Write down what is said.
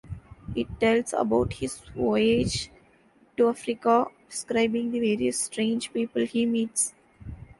It tells about his voyage to Africa, describing the various strange people he meets.